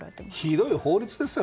ひどい法律ですよ。